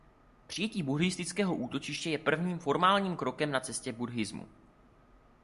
Přijetí buddhistického útočiště je prvním formálním krokem na cestě buddhismu.